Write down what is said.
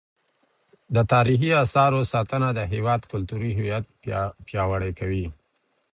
د تاریخي اثارو ساتنه د هیواد کلتوري هویت پیاوړی کوي.